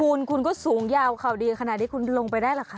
คุณคุณก็สูงยาวข่าวดีขนาดนี้คุณลงไปได้เหรอคะ